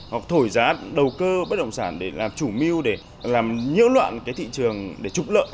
hoặc thổi giá đầu cơ bất động sản để làm chủ mưu để làm nhiễu loạn cái thị trường để trục lợi